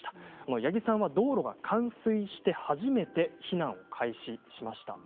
八木さんは道路が冠水して初めて避難を開始しました。